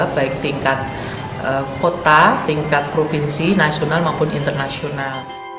baik tingkat kota tingkat provinsi nasional maupun internasional